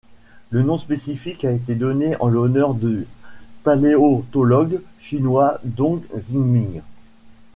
Le nom spécifique a été donné en l'honneur du paléontologue chinois Dong Zhiming.